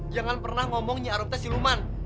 jangan pernah ngomong nyi arum tuh siluman